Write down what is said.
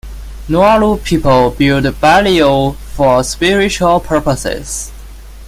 Nualu people build Baileo for spiritual purposes.